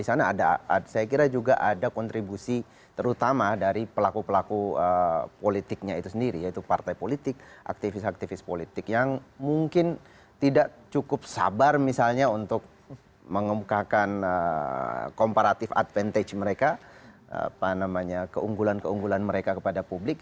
saya kira juga ada kontribusi terutama dari pelaku pelaku politiknya itu sendiri yaitu partai politik aktivis aktivis politik yang mungkin tidak cukup sabar misalnya untuk mengembangkan komparatif advantage mereka keunggulan keunggulan mereka kepada publik